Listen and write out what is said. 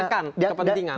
untuk menekan kepentingan